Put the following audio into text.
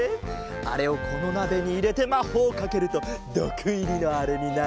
あれをこのなべにいれてまほうをかけるとどくいりのあれになるんじゃ。